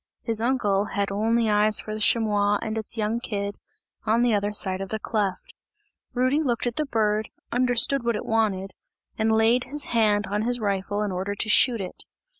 His uncle had only eyes for the chamois and its young kid, on the other side of the cleft. Rudy looked at the bird, understood what it wanted, and laid his hand on his rifle in order to shoot it.